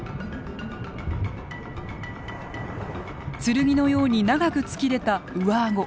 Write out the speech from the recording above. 剣のように長く突き出た上顎。